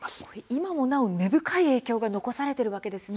今もなお根深い影響が残されているんですね。